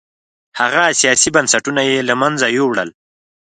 هغه سیاسي بنسټونه یې له منځه یووړل